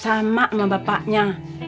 sama sama bapaknya